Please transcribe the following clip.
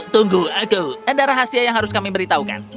tunggu aku ada rahasia yang harus kami beritahukan